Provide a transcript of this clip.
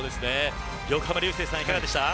横浜流星さん、いかがでしたか。